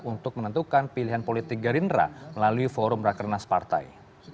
untuk menentukan pilihan politik gerindra melalui forum rakernas partai